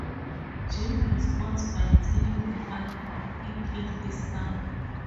Jim responds by telling the father that he killed his son.